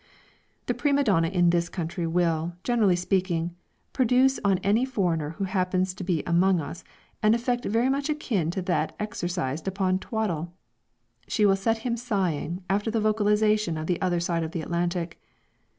The prima donna in this country will, generally speaking, produce on any foreigner who happens to be among us, an effect very much akin to that exercised upon Twaddle. She will set him sighing after the vocalization of the other side of the Atlantic.